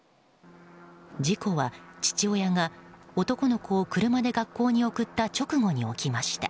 事故は、父親が男の子を車で学校に送った直後に起きました。